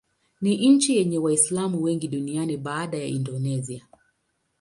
Ni nchi yenye Waislamu wengi duniani baada ya Indonesia.